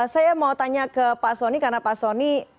saya mau tanya ke pak soni karena pak soni